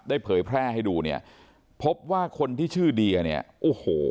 เผยแพร่ให้ดูเนี่ยพบว่าคนที่ชื่อเดียเนี่ยโอ้โห